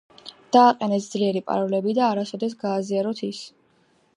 დააყენეთ ძლიერი პაროლები და არასოდეს გააზიაროთ ის.